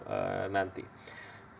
saya akan tanya kepada beliau nanti